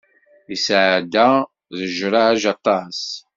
Yesɛedda ṛejṛaj aṭas.